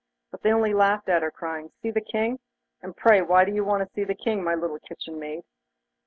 But they only laughed at her, crying: 'See the King? And pray, why do you want to see the King, my little kitchen maid?